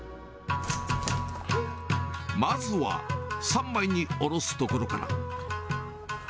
まずは、３枚におろすところから。